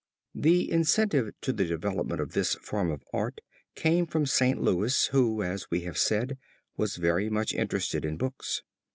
The incentive to the development of this form of art came from St. Louis who, as we have said, was very much interested in books.